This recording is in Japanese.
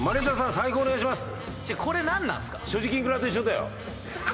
財布お願いします。